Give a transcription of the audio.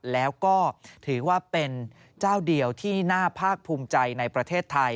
แล้วก็ถือว่าเป็นเจ้าเดียวที่น่าภาคภูมิใจในประเทศไทย